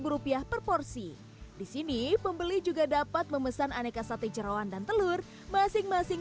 lima belas rupiah per porsi di sini pembeli juga dapat memesan aneka sate jerawan dan telur masing masing